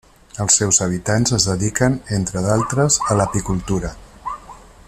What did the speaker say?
Els seus habitants es dediquen entre d'altres a l'apicultura.